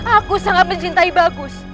aku sangat mencintai bagus